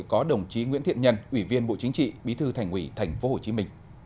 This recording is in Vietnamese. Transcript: có đồng chí nguyễn thiện nhân ủy viên bộ chính trị bí thư thành ủy tp hcm